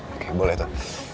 oke boleh tuh